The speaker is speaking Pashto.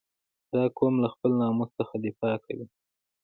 • دا قوم له خپل ناموس څخه دفاع کوي.